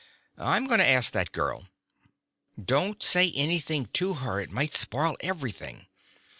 "I'm going to ask that girl " "Don't say anything to her; it might spoil everything.